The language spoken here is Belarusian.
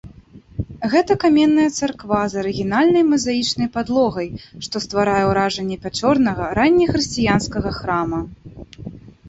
Гэта каменная царква з арыгінальнай мазаічнай падлогай, што стварае ўражанне пячорнага раннехрысціянскага храма.